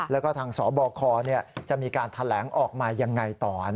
แล้วก็ทางสบคจะมีการแถลงออกมายังไงต่อ